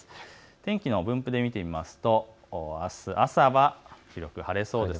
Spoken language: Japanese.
天気の分布で見てみますとあす朝は広く晴れそうです。